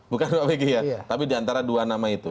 bukan pak bg ya tapi diantara dua nama itu